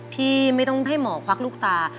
ที่ไม่ต้องให้หมอควักลูกตา